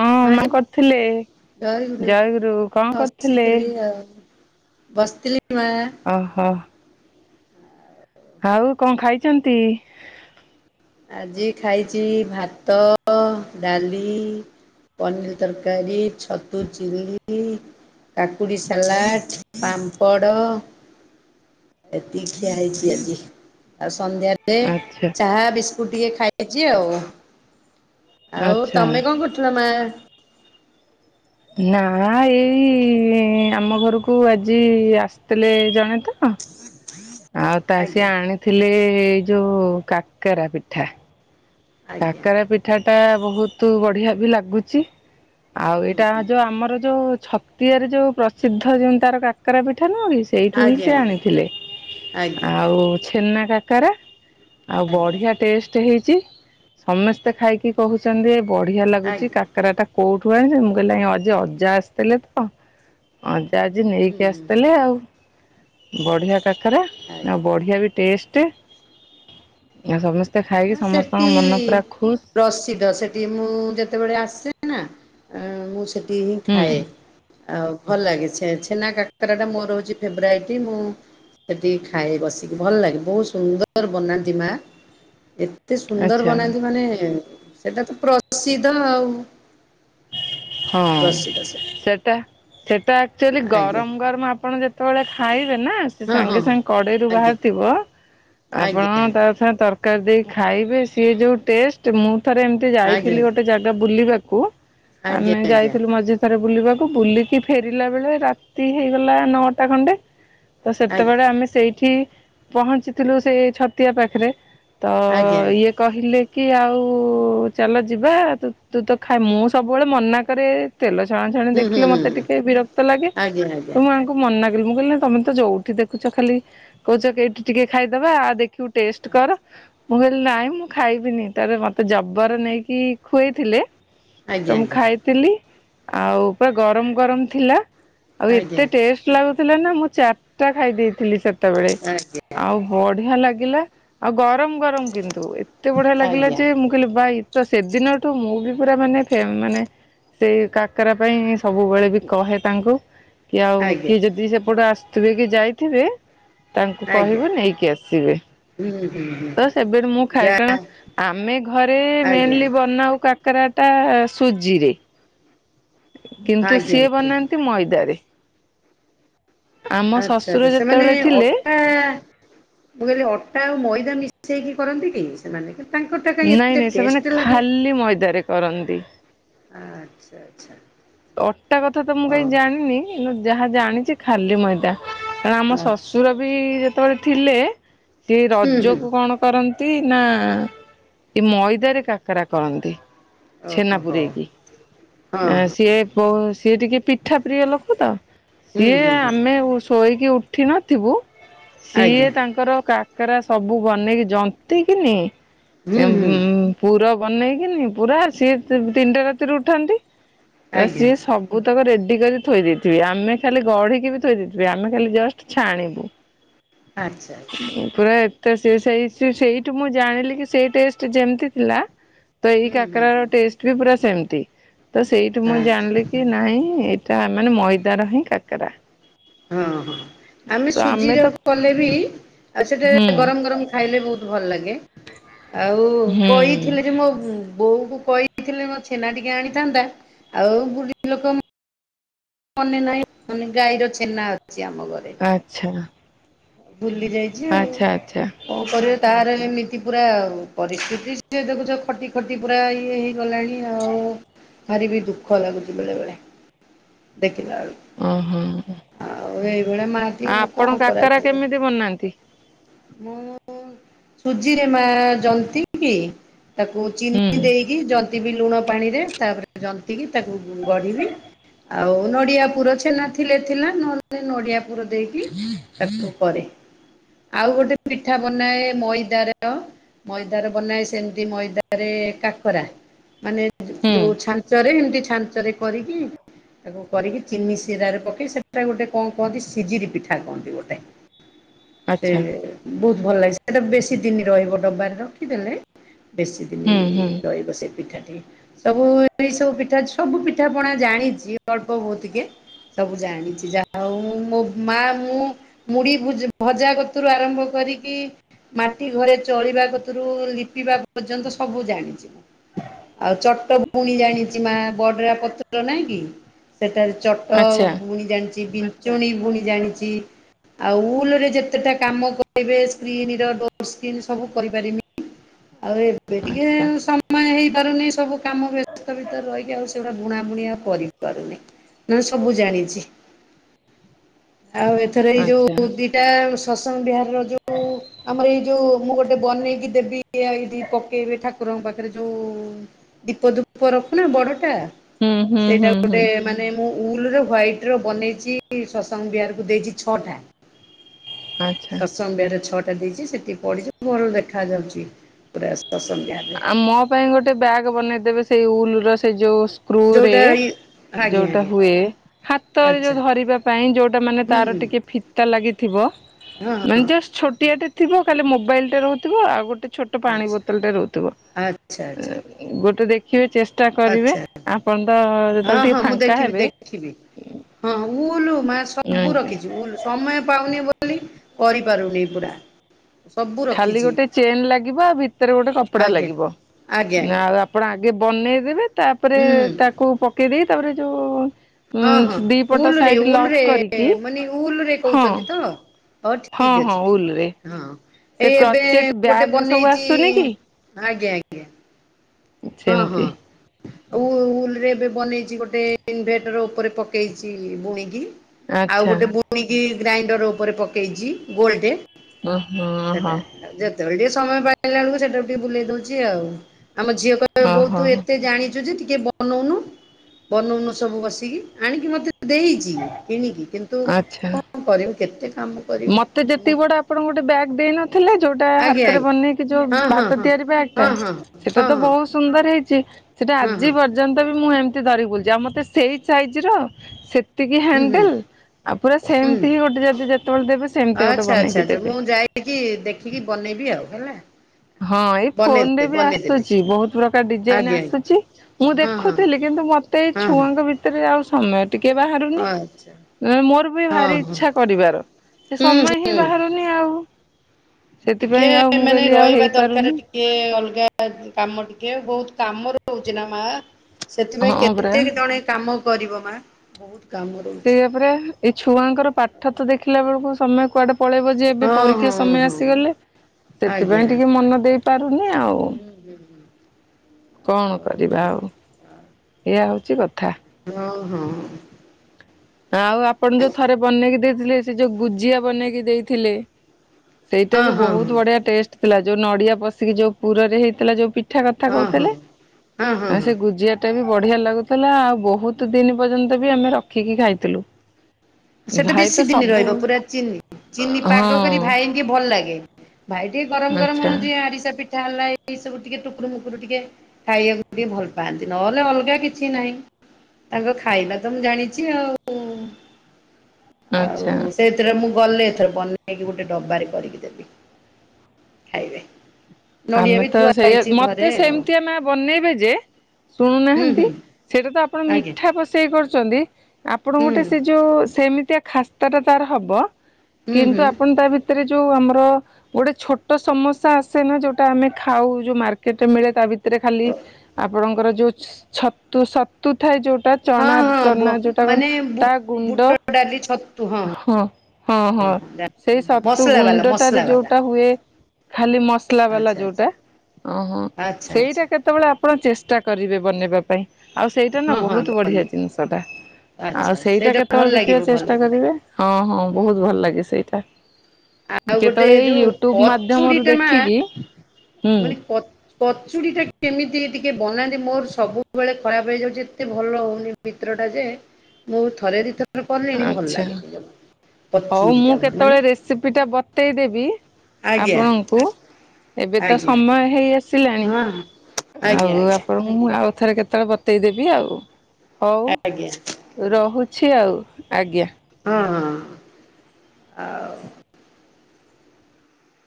ହଁ ମା କରିଥିଲେ ଜୟଗୁରୁ ଜୟଗୁରୁ କଣ କରିଥିଲେ? ବସିଥିଲି ଆଉ ବସିଥିଲି। ମା ଓ ହୋ। ଆଉ କଣ ଖାଇଛନ୍ତି? ଆଜି ଖାଇଛି ଭାତ ଡାଲି ପନିର ତରକାରୀ ଛତୁ ଚିଲି କାକୁଡି ସାଲାଡ଼ ପାମ୍ପଡ଼ ଏତିଖିଆ ହେଇଛି ଆଜି ଆ ସନ୍ଧ୍ୟାରେ ଆଚ୍ଛା ଚାହା ବିସ୍କୁଟ୍ ଟିକେ ଖାଇଛି ଆଉ। ଆଉ ଆଚ୍ଛା। ତମେ କଣ କରୁଥିଲ ମା? ନା ଏଇ ଆମ ଘରକୁ ଆଜି ଆସିଥିଲେ ଜଣେ ତ ଆଉ ତା ସିଏ ଆଜ୍ଞା ଆଣିଥିଲେ। ଏଇ ଯୋଉ କାକରା ପିଠା। ଆଜ୍ଞା କାକାର ପିଠା ଟା ବହୁତ ବଢିଆ ବି ଲାଗୁଚି। ଆଉ ହୁଁ ଏଇଟା ଯୋଉ ଆମର ଯୋଉ ଛତିଆରେ ଯୋଉ ପ୍ରସିଦ୍ଧ ଯମ ତାର କାକରା ପିଠା କ ନୁହ କି ସେଇଠୁ ହିଁ ଆଜ୍ଞା ସେ ଆଜ୍ଞା ଆଣିଥିଲେ ଆଜ୍ଞା ଆଉ ଛେନା କାକରା। ଆଉ ଆଜ୍ଞା ବଢିଆ ଟେଷ୍ଟ ହେଇଛି ସମସ୍ତେ ଖାଇକି କହୁଛନ୍ତି। ବଢିଆ ଲାଗୁଛି ଆଜ୍ଞା କାକରାଟା। କେଉଁଠୁ ଆଣିଛ ମୁଁ କହିଲି ଆ ଅଜା ଅଜା ଆସିଥିଲେ ତ। ଆଜି ନେଇକି ହୁଁ ଆସିଥିଲେ ଆଉ ବଢ଼ିଆ କାକେରା ଆଉ ଆଜ୍ଞା ବଢ଼ିଆ ବି ଟେଷ୍ଟ। ସମସ୍ତେ ଖାଇକି ନା ସମସ୍ତଙ୍କ ସେଠି ମନ ପୁରା ଖୁସ ପ୍ରସିଦ୍ଧ ସେଠି ମୁଁ ଯେତେବେଳେ ଆସସେ ନା ମୁଁ ସେଠି କି ହିଁ ହୁଁ ଖାଏ। ଆଉ ଭଲ ଲାଗେ ଛେନା କାକରା ଟା ମୋର ହଉଛି ଫେବରାଇଟ ମୁଁ ସେଠିକି ଖାଇ ବସିକି ଭଲ ଲାଗେ ବହୁତ ସୁନ୍ଦର ବନାନ୍ତି ମା। ଏତେ ସୁନ୍ଦର ଆଚ୍ଛା ବନାନ୍ତି ମାନେ ସେଟା ତ ପ୍ରସିଦ୍ଧ ଆଉ ହଁ ପ୍ରସିଦ୍ଧ ସେ ସେଟା ସେଟା ଆକ୍ଚୁଆଲି ଆଜ୍ଞା ଗରମ ଗରମ ଆପଣ ଯେତେ ସେତେବେଳେ ଖାଇବେ ନା ସେ ହଁ ହଁ ସାଙ୍ଗେ ହଁ ସାଙ୍ଗେ କଡେଇରୁ ଆଜ୍ଞା ବାହାରିଥିବ ଆପଣ ଆଜ୍ଞା ତା ତରକାର ଦେଇ ଖାଇବେ ସିଏ ଯୋଉ ଟେଷ୍ଟ ମୁଁ ଥରେ ଏମିତି ଆଜ୍ଞା ଯାଇଥିଲି ଗୋଟେ ଜାଗା ବୁଲିବାକୁ ଆଜ୍ଞା ଆମେ ଆଜ୍ଞା ଯାଇଥିଲୁ ମଝିରେ ବୁଲିବାକୁ ବୁଲିକି ଫେରିଲା ବେଳେ ରାତି ହେଇଗଲା ନଅଟା ଖଣ୍ଡେ ତ ଆଜ୍ଞା ସେତେବେଳେ ଆମେ ସେଇଠି ପହଞ୍ଚିଥିଲୁ ସେଇ ଛତିଆ ପାଖରେ। ତ ଆଜ୍ଞା ଆଜ୍ଞା ଇଏ କହିଲେ କି ଆଉ ଚାଲ ଯିବା ତୁ ତ ଖାଇ ମୁଁ ସବୁବେଳେ ମନା କରେ ତେଲ ଛାଣା ଛାଣି ହୁଁ ହୁଁ ଦେଖିଲେ ହୁଁ ମତେ ହୁଁ ଟିକେ ବିରକ୍ତ ଲାଗେ ଆଜ୍ଞା ତ ଆଜ୍ଞା ମୁଁ ଆଙ୍କୁ ମନା ମୁଁ କିଲି ତମେ ତ ଯୋଉଠି ଦେଖୁଛ ଖାଲି କହୁଛ କେଇଠିିକେ ଖାଇଦବା ଆଉ ଦେଖଠି ଟେଷ୍ଟ କର। ମୁଁ କହିଲି ନାଇଁ ମୁଁ ଖାଇବିନି ତାର ମତେ ଜବର ନେଇକି ଖୁଆଇଥିଲେ। ତ ମୁଁ ଆଜ୍ଞା ଖାଇଥିଲି ଆଉ ପୁରା ଗରମ ଗରମ ଥିଲା। ଆଉ ଆଜ୍ଞା ଏତେ ଆଜ୍ଞା ଟେଷ୍ଟ ଲାଗୁଥିଲା ନା ମୁଁ ଚାର ଟା ଖାଇ ଦେଇେଇଥିଲି ତାକୁ। ସେତେବେଳେ ଆଜ୍ଞା। ଆଉ ବଢିଆ ଲାଗିଲା ଆଉ ଗରମ ଗରମ କିନ୍ତୁ। ଏତେ ବଢିଆ ଲାଗିଲା ଆଜ୍ଞା। ଯେ ମୁଁ କହିଲି ଭାଇ ତ ସେଦିନଠୁ ମୁଁ ବି ପୁରା ମାନେ ମାନେ ସେଇ କାକରା ପାଇଁ ସବୁବେଳେ ବି କହେ ତାଙ୍କୁ କି ଆଉ ଆଜ୍ଞା କିଏ ଯଦି ସେପଟେ ଆସିଥିବେ କି ଯାଇଥିବେ ତାଙ୍କୁ ଆଜ୍ଞା କହିବ ନେଇକି ଆସିବେ। ହୁଁ ହୁଁ ହୁଁ ତ ସେବେ ମୁଁ ଖାଏ ଯା କାରଣ ଆମେ ଘରେ ଆଜ୍ଞା ଆଜ୍ଞା ମେନଲି ବନାଉ କା କାକରଟା ସୁଜିରେ। କିନ୍ତୁ ଆଜ୍ଞା ଆଜ୍ଞା ସିଏ ବନାନ୍ତି ମଇଦାରେ। ଆମ ଆଛା ଶ୍ୱଶୁର ଆଚ୍ଛା ସେମାନେ ଯେତେବେଳେ ଥିଲେ ଅଟା ମୁଁ କହିଲି ଅଟା ଆଉ ମଇଦା ମିଶେଇକି କରନ୍ତି କି ସେମାନେ କି? ନାଇଁ ନାଇଁ ସେମାନେ ଖାଲି ମଇଦାରେ କରନ୍ତି। ଆଚ୍ଛା ଆଚ୍ଛା। ଅଟା କଥା ତ ମୁଁ କାଇଁ ହଉ। ଜାଣିନି କିନ୍ତୁ ଯାହା ଜାଣି ଚି ଖାଲି ମଇଦା କାରଣ ଆମ ଆଚ୍ଛା ଶଶୁର ବି ଆଚ୍ଛା ଯେତେବେଳେ ଥିଲେ ସେ ହୁଁ ହୁଁ ରଜକୁ କଣ କର ନ୍ତି ନା ଏ ମଇଦାରେ କାକରା କରନ୍ତି। ଛେନା ଓହୋ ପୁରେଇକି ହଁ ଆ ସିଏ ବୋ ସିଏ ଟିକେ ପିଠା ପ୍ରିୟ ଲୋକ ତ ହୁଁ ସିଏ ହୁଁ ହୁଁ ଆମେ ଶୋ ଶୋଇକି ଉଠିନଥିବୁ ଆଜ୍ଞା ସିଏ ତାଙ୍କର କା କାକାରା ସବୁ ବନେଇକି ଜନ୍ତିକିନି ହୁଁ ହୁଁ [unintelligible] ପୁର ବନେଇକିନି ପୁରା ସିଏ ତିନିଟା ରାତିରେ ଉଠନ୍ତି ତ ଆଜ୍ଞା ସିଏ ସବୁତକ ରେ ରେଡ଼ିକରି ଥୋଇଦେଇଥିବେ ଆମେ ଖାଲି ଗଢିକି ବି ଥୋଇ ଦେଇଥିବେ ଆମେ ଖାଲି ଜଷ୍ଟ ଛାଣିବୁ। ଆଚ୍ଛା। ତ ସେ ସେଇ ସେଇଠୁ ମୁଁ ଜାଣିଲି କି ସେଇ ଟେଷ୍ଟ୍ ଯେମିତି ଥିଲା। ତ ଏଇ ହୁଁ ହୁଁ କାକାରା ର ହୁଁ ଟେଷ୍ଟ୍ ବି ପୁରା ସେମିତି ତ ସେଇଠି ମୁଁ ଆଚ୍ଛା। ଜାଣିଲି କି ନାଇଁ ତା ମାନେ ମଇଦାର ହିଁ କାକାରା। ହଁ ହଁ ଆମେ ସୁଜିରେ କଲେ ବି ଆଉ ସେଠି ହୁଁ ଗରମ ଗରମ ଖାଇଲେ ବହୁତ୍ ଭଲ ଲାଗେ। ଆଉ ହୁଁ କହିଥିଲେ ଯେ ମୋ [unintelligible] ବୋଉ କୁ କହିଥିଲେ ମୋ ଛେନା ଟିକେ ଆଣିଥାନ୍ତା ଆଉ ବୁଢ଼ୀ ଲୋକ ମନେ ନାହିଁ ମାନେ ଗାଈର ଛେନା ଅ ଆଚ୍ଛା। ବୁଲିଯାଇଛି ଆଉ ଆଚ୍ଛା ଆଚ୍ଛା କଣ କରିବା [unintelligible] ସେମିତି ପୁରା ଆଉ ପରିସ୍ଥିତି ସିଏ ଦେଖୁଛ ଖଟି ଖଟି ପୁରା ଇଏ ହେଇଗଲାଣି ଆଉ। ଭାରି ବି ଦୁଃଖ ଲାଗୁଛି ବେଳେ ବେଳେ ଦେ [unintelligible] ଓହୋ ଆଉ ଏଇଭଳିଆ ମା ଟି ଆଉ ଆପଣ କଣ କରା କାକରା କେମିତି ବନାନ୍ତି? ମୁଁ ସୁଜିରେ ମା ଜନ୍ତିକି ତାକୁ ହୁଁ ଚିନି ଦେଇକି ଜନ୍ତିବି ଲୁଣ ପାଣିରେ ତାପରେ ଜନ୍ତିକି ତାକୁ ଗଢ଼ିବି। ଆଉ ନଡ଼ିଆ ପୁର ଛେନା ଥିଲେ ଥିଲା ନହେଲେ ନଡ଼ିଆ ପୁର ଦେଇକି ତାକୁ କରେ। ଆଉ ଗୋଟେ ପିଠା ବନାଏ ମଇଦାରେ ର ମଇଦା ର ବନାଏ ସେମିତି ମଇଦାରେ କାକରା ମାନେ ହୁଁ ଯୋଉ ଛାଞ୍ଚରେ ଏମତି ଛାଞ୍ଚରେ କରିକି ତାକୁ କରିକି ଚିନି ଶିରାରେ ପକେଇ ସେଟା ଗୋଟେ କଣ କୁହନ୍ତି ସିଜିରି ପିଠା କୁହନ୍ତି ଗୋଟେ। [inaudible] ସେ ଏ ବହୁତ୍ ଭଲ ଲାଗେ ସେଇଟା ବେଶୀ ଦିନ ରହିବ ଡ଼ବାରେ ରଖିଦେଲେ ବେଶି ଦିନି ହୁଁ ହୁଁ ରହିବ ସେଇ ପିଠା। ସବୁ ଏଇ ସବୁ ପିଠା ସବୁ ପିଠା ପଣା ଜାଣିଛି ଅଳ୍ପ ବହୁତ୍ କେ। ସବୁ ଜାଣିଛି ଯାହା ହଉ ମୋ ମା ମୁଁ ମୁଢି ଭୁ ଭଜା କତିରୁ ଆରମ୍ଭ କରିକି ମାଟି ଘରେ ଚଳିବା କତୁରୁ ଲିପିବା ପର୍ଯ୍ୟନ୍ତ ସବୁ ଜାଣିଚି। ଆଉ ଚଟ କୁଣୀ ଜାଣିଛି ମା ବଡ଼ରା ପତର ନାଇଁ କି ସେଟାରେ ଆଚ୍ଛା ଚଟବୁଣି ଜାଣିଛି ବିଞ୍ଚୁଣି ବୁଣି ଜାଣିଛି ଆଉ ଉଲ୍ ରେ ଯେ କେତେଟା କାମ କରିବେ ସ୍କ୍ରିନ୍ ର ଡୋର୍ ସ୍କ୍ରିନ ସବୁ କରିପାରିବି। ଆଉ ଏବେ ଟିକେ ଆଚ୍ଛା ସମୟ ହେଇ ପାରୁନି ସବୁ କାମ ବ୍ୟସ୍ତତା ଭିତରେ ରହିକି ଆଉ ସେଗୁଡା଼ ବୁଣା ବୁଣି ଆଉ କରିପାରୁନି। ନା ସବୁ ଜାଣିଚି। [inaudible] ଆଉ ଏଥର ଏଇ ଆଚ୍ଛା ଯୋଉ ଦିଟା ଶତସଘଂ ବିହାର ର ଯୋଉ ଆମର ଏଇ ଯୋଉ ମୁଁ ଗୋଟେ ବନେଇକି ଦେବି, ବ୍ୟାଗ୍ ଟି ପକେଇବେ ଠାକୁରଙ୍କ ପାଖରେ ଯୋଉ ଦୀପ ଧୂପ ରଖୁନା ବଡଟା ହୁଁ ହୁଁ ସେଇଟା ହୁଁ ଗୋଟେ ହୁଁ ମାନେ ମୁଁ ଉଲୁରେ ହ୍ଵାଇଟ୍ ର ବନେଇଛି ଶତସଙ୍ଗ ବିହାରକୁ ଦେଇଛି ଛଅଟା। ଆଚ୍ଛା। ସତସଙ୍ଘ ବିହାର ରେ ଛଅଟା ଦେଇଛି ସେଠି ପଡିଛି ଭଲ ଦେଖା ଯାଉଛି। ପୁରା ସତ୍ସଙ୍ଗ ବିହାରରେ ଆ ମୋ ପାଇଁ ଗୋଟେ ବ୍ୟାଗ ବନେଇଦେବେ, ସେଇ ଉଲର ସେ ଯୋଉ ସ୍କ୍ରୁରେ ଯୋଉଟା ଇ ଯୋଉଟା ହୁଏ ହାତରେ ଯୋଉ ଆଚ୍ଛା ଧରିବା ପାଇଁ, ଯୋଉଟା ମାନେ ହୁଁ ତାର ହୁଁ ଟିକେ ଫିତା ଲାଗେ ଥିବ ହଁ ମାନେ ହଁ ଜଷ୍ଟ ଛୋଟିଆଟେ ଥିବ ଖାଲି ମୋବାଇଲଟେ ରହୁଥିବ, ଆଉ ଗୋଟେ ଛୋଟ ପାଣି ଆଚ୍ଛା ବୋତଲଟେ ରହୁ ଆଚ୍ଛା ଆଚ୍ଛା ଗୋଟେ ଦେଖିବେ ଚେଷ୍ଟା କରିବେ ଆଚ୍ଛା ଆପଣ। ତ ଯେତେବେଳେ ହଁ- ଟିକେ ହଁ- ମୁଁ ଫାଙ୍କା ଦେଖିବି ହେବେ ଦେଖିବି। ହଁ ଉଲୁ ମା ସବୁ ରଖିଛୁ ଉଲ୍। ସମୟ ପାଉନି ବୋଲି କରିପାରୁନି ପୁରା ସବୁ ଖାଲି ରଖିଛି ଗୋଟେ ଚେନ ଲାଗିବ ଆଉ ଭିତରେ ଗୋଟେ କପଡା ଆଜ୍ଞା ଲାଗିବ, ଆଜ୍ଞା ଆଜ୍ଞା ଆଉ ଆପଣ ଆଣି ଟିକେ ବନେଇଦେବେ, ତାପରେ ହୁଁ ହୁଁ ତାକୁ ପକେଇ ଦେଇ ତାପରେ ଯୋଉ ହଁ- ହଁ ଉଁ ଦି ପଟ ଉଲରେ ସାଇଡ ଲକ୍ ଉଲରେ କରିକି ମାନେ ଉଲ୍ ଉଲ୍ ରେ ହଁ କହୁଛନ୍ତି ତ, ହଉ ହଁ ଠିକ ହଁ ଅଛି ଠିକ ଉଲରେ ଅଛି ହଁ। ସେ ଏଇ ଏବେ କ୍ରଚେଟ ଗୋଟେ ବ୍ୟାଗ ସବୁ ବନେଇଛି, ଆସୁନି କି ଆଜ୍ଞା ଆଜ୍ଞା। ହଁ- ହଁ। ସେମିତି ଆଉ ଉଲ୍ ରେ ଏବେ ବନେଇଛି ଗୋଟେ, ଇନଭେଟର ଉପରେ ପକେଇଛି ବୁଣିକି। ଆଉ ଆଚ୍ଛା ଗୋଟେ ବୁଣିକି ଗ୍ରାଇଣ୍ଡର ଉପରେ ପକେଇଛି, ଗୋଲ ଟେ। ଓ ହୋ ହୋ। ଯେତେବେଳେ ଟିକେ ସମୟ ପାଇଲା ବେଳକୁ ସେଟାକୁ ଟିକେ ବୁଲେଇ ଦଉଛି ଆଉ। ଆମ ଝିଅ କହିବ ବୋଉ ତୁ ଓହୋ ଏତେ ଜାଣିଛୁ ଯେ ଟିକେ ବନଉନୁ, ବନଉନୁ ସବୁ ବସିକି। ଆଣିକି ମତେ ଦେଇଛି କିଣିକି, କିନ୍ତୁ ଆଚ୍ଛା କଣ କରିବୁ କେତେ କାମ କରିବି ମତେ କାମ ଯେତିକି ବଡ ଆପଣଙ୍କୁ ଗୋଟେ ବ୍ୟାଗ୍ ଦେଇନ ଥିଲେ ଯୋଉଟା ଆଜ୍ଞା ହାତରେ ଆଜ୍ଞା ବନେଇକି, ଯୋଉ ହଁ ହଁ ହାତ ହଁ। ତିଆରି ହଁ ବ୍ୟାଗଟା ହଁ ସେଇଟା ହଁ ତ ହଁ ବହୁତ ହଁ ସୁନ୍ଦର ହେଇଛି। ସେଇଟା ହଁ ଆଜି ହୁଁ ପର୍ଯ୍ୟନ୍ତ ବି ମୁଁ ଏମିତି ଧରି ବୁଲୁଛି। ଆଉ ମତେ ସେଇ ସାଇଜର ସେ ସେତିକି ହୁଁ ହ୍ୟାଣ୍ଡେଲ ଆଉ ପୁରା ହୁଁ। ସେମିତି ହି ଗୋଟେ ଯଦି ଯେତେବେଳେ ଦେବେ ସେମିତି ଗୋଟେ ଆଚ୍ଛା ବନେଇକି ଆଚ୍ଛା ଆଛା ଦେବେ। ମୁଁ ଯାଇକି ଦେଖିକି ବନେଇବି ଆଉ ହେଲା। ହଁ ଏଇ ଫୋନ ରେ ବନେଇଦେବେ ବି ବନେଇଦେବେ ଆସୁଛି, ବହୁତ ପ୍ରକାର ଡିଜାଇନ ଆଜ୍ଞା ଆଜ୍ଞା ଆସୁଛି ମୁଁ ହଁ ହଁ ଦେଖୁଥିଲି। କିନ୍ତୁ କିନ୍ତୁ ମତେ ଏଇ ହଁ ହଁ ଛୁଆଙ୍କ ଭିତରେ ଆଉ ସମୟ ଟିକେ ବାହାରୁନି। ଆଚ୍ଛା ନାଇଁ ମୋର ବି ହଁ ଭାରି ହଁ। ଇଚ୍ଛା କରିବାର ସେ ହୁଁ ସମୟ ହିଁ ହୁଁ ବାହାରୁନି ଆଉ। ସେଥିପାଇଁ ଟିକେ ଆଉ ମୁଁ ମାନେ କହିଲି ଆଉ ରହିବା ଦର କାର ହେଇପାରୁନି ଟିକେ ଅଲଗା କାମ ଟିକେ ବହୁତ କାମ ରହୁଛି ନା ମା। ସେଥିପାଇଁ ହଁ ପରା। କେତେକ ଜଣେ କାମ କରିବ ମା, ବହୁତ କାମ ରହୁଛି ସେଇଆ ପରା ଏଇ ଛୁଆଙ୍କର ପାଠ ତ ଦେଖିଲା ବେଳକୁ, ସମୟ କୁଆଡେ ପଳେଇବ ଯେ ଏବେ ହଁ ପରୀକ୍ଷା ହଁ ସମୟ ହଁ ଆସିଗଲେ। ଆଜ୍ଞା ସେଥିପାଇଁ ଟିକେ ମନ ଦେଇ ପାରୁନି ଆଉ। ହୁଁ ହୁଁ କଣ କରିବା ଆଉ, ଏଇଆ ହଉଛି କଥା। ହଁ ହଁ। ଆଉ ଆପଣ ଯୋଉ ଥରେ ବନେଇକି ଦେଇଥିଲେ, ସେ ଯୋଉ ଗୁଜିଆ ବନେଇକି ଦେଇଥିଲେ। ସେଇଟା ବି ହଁ ହଁ ହଁ ହଁ ବହୁତ ହଁ ବଢିଆ ଟେଷ୍ଟ ଥିଲା, ଯୋଉ ନଡିଆ ପଶିକି ଯୋଉ ପୁରରେ ହେଇଥିଲା। ଯୋଉ ପି ମିଠା କଥା କହୁଥିଲେ, ହଁ ହଁ ଆଉ ହଁ ସେ ଗୁଜିଆଟା ବି ବ ବଢିଆ ଲାଗୁଥିଲା, ଆଉ ବହୁତ ଦିନ ପର୍ଯ୍ୟନ୍ତ ବି ଆମେ ରଖିକି ଖାଇ ସେଟା ବେଶୀ ଦିନ ରହିବ, ସବୁ ପୁରା ଚିନି ଚିନି ପାଗ ହଁ କରି ଭାଇଙ୍କି ଭଲ ଲାଗେ। ଭାଇ ଟିିକେ ଗରମ ଗରମ ଆଚ୍ଛା ଯିଏ ଆରିସା ପି ସେଇଟା ହେଲା ଏଇ ସବୁ ଟିକେ ଟୁକୁର ମୁୁକୁରୁ ଟିକେ ଖାଇବାକୁ ଟିକେ ଭଲ ପାଆନ୍ତି, ନହେଲେ ଅଲଗା କିଛି ନାହିଁ। ତାଙ୍କ ଖାଇବା ତ ମୁଁ ଜାଣିଛି ଆଉ। ଆଚ୍ଛା ଆଉ ସେଇଥିରେ ମୁଁ ଗଲେ, ଏଥର ବନେଇକି ଗୋଟେ ଡବାରେ କରିକି ଦେବି ଖାଇବେ। ନଡିଆ ଆମେ ବି ତ ଥୁଆ ସେୟା ହେଇଛି ମତେ ଘରେ ଆଉ ସେମିତିଆ ମା ବନେଇବ ଯେ ହୁଁ ଶୁଣୁନାହାନ୍ତି ହୁଁ ସେଇଟା ତ ଆପଣ ଆଜ୍ଞା ମିଠା ବସେଇ କରୁ ଚନ୍ତି ଆପଣ ହୁଁ। ଗୋଟେ ସେ ଯୋଉ ସେମିତିଆ ଖାସ୍ତା ଟା ତାର ହବ। ହୁଁ କିନ୍ତୁ ହୁଁ ଆପଣ ତା ଭିତରେ ଯୋଉ ଆମର ଗୋଟେ ଛୋଟ ସମସ୍ୟା ଆସେ ନା ଯୋଉ ଟା ଆମେ ଖାଉ ଯୋଉ ମାର୍କେଟରେ ମିଳେ ତା ଭିତରେ ଖାଲି ଆପଣଙ୍କ ଙ୍କର ଯୋଉ ଛତୁ ସତୁ ଥାଏ ଯୋଉ ହଁ ଚଣା ହଁ ବ ଚଣା ଯୋଉଟା କ ମାନେ ତା ଗୁଣ୍ଡ ବୁଟ ଡାଲି ଛତୁ ହଁ ହଁ ହଁ। ସେଇ ସତୁ ମସଲା ବାଲା ଗୁଣ୍ଡଟାରେ ମସଲା ବାଲା ଯୋଉଟା ହୁଏ ଖାଲି ମସଲା ବାଲା ଆଚ୍ଛା ଯୋଉଟା ଆଚ୍ଛା ଓହୋ ଆଚ୍ଛା ସେଇଟା ଆଚ୍ଛା କେତେବେଳେ ଆପଣ ଚେଷ୍ଟା କରିବେ ବନେଇବା ପାଇଁ। ଆଉ ସେଇଟା ନା ହଁ ହଁ ବହୁତ ଭଲ ବଢ଼ିଆ ଜିନିଷଟା। ଆଉ ଆଚ୍ଛା ସେଇଟା ଭଲ କେତେବେଳେ ଦେଖିବା ଲାଗିବ ଭଲ ଚେଷ୍ଟା ଲାଗିବ କରିବେ ହଁ ହଁ ହୁଁ ବହୁତ ଭଲ ହୁଁ ଲାଗେ ସେଇଟା। ଆଉ ଗୋଟେ କେତେବେଳେ ଏଇ ଯୋଉ ୟୁଟ୍ୟୁବ ମାଧ୍ୟମରୁ କଚୁଡିଟା ମା ଦେଖିକି ହୁଁ ମାନେ କଚୁ କଚୁୁରୀ ଟା କେମିତି ଏ ଟିକେ ଟିକେ ବନାନ୍ତି ମୋର ସବୁବେଳେ ଖରାପ ହେଇଯାଉଚି, ଏତେ ଭଲ ହଉନି ଭିତରଟା ଯେ ମୁଁ ଥରେ ଦିଥର କଲିଣି ଭଲ ଆଚ୍ଛା ଲାଗେନି କଚେରୀ ଟା ମାନେ ଏଇଟା ବତେଇଦେବି ଆଜ୍ଞା ଆପଣଙ୍କୁ ଏବେ ତ ଆଜ୍ଞା ସମୟ ହେଇଆସି ଆସିଲାଣି ହଁ ଆଜ୍ଞା ଆଉ ଆଜ୍ଞା ଆପଣ ମୁ ଆଉ ଥରେ କେତେବେଳେ ବତେଇଦେବି ଆଉ ହଉ ଆଜ୍ଞା ରହୁଛି ଆଉ। ଆଜ୍ଞା। ହଁ ହ ଆଉ